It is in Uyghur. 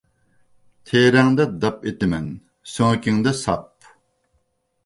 تېرەڭدە داپ ئېتىمەن، سۆڭىكىڭدە ساپ.